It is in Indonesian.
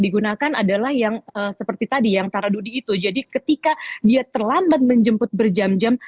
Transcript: digunakan adalah yang seperti tadi yang taradudi itu jadi ketika dia terlambat menjemput berjam jam